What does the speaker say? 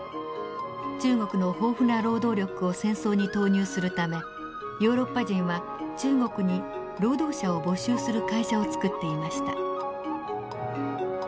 中国の豊富な労働力を戦争に投入するためヨーロッパ人は中国に労働者を募集する会社を作っていました。